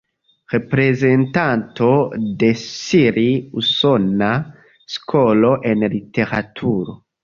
Reprezentanto de siri-usona skolo en literaturo.